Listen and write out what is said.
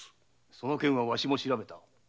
その件はわしも調べた。